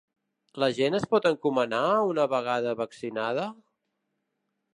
La gent es pot encomanar una vegada vaccinada?